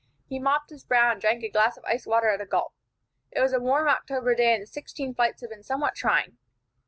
He mopped his brow, and drank a glass of ice water at a gulp. It was a warm October day, and the sixteen flights had been somewhat trying.